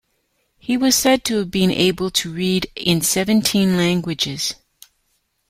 He was said to have been able to read in seventeen languages.